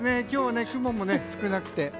今日は雲も少なくて。